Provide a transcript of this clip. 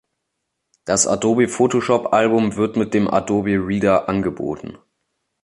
Das Adobe Photoshop Album wird mit dem Adobe Reader angeboten.